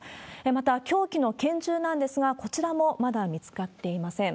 また、凶器の拳銃なんですが、こちらもまだ見つかっていません。